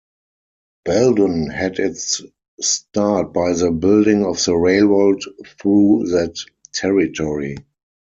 Belden had its start by the building of the railroad through that territory.